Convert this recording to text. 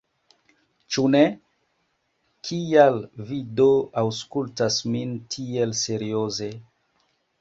Ĉu ne? Kial Vi do aŭskultas min tiel serioze!